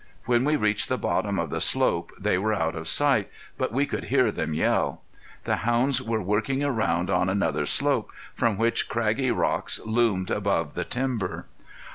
When we reached the bottom of the slope they were out of sight, but we could hear them yell. The hounds were working around on another slope, from which craggy rocks loomed above the timber.